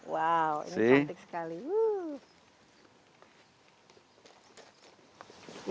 wow ini cantik sekali